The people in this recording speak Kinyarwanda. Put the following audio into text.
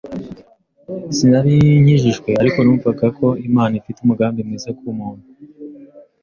sinarinkijijwe ariko numvagako Imana ifite umugambi mwiza ku muntu